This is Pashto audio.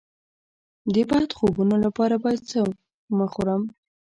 د بد خوبونو لپاره باید څه مه خورم؟